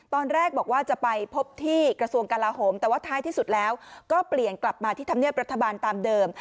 ตอนแรกบอกว่าจะไปพบที่กระทรวงกลาโหมแต่ว่าท้ายที่สุดแล้วก็เปลี่ยนกลับมาที่ธรรมเนียบรัฐบาลตามเดิม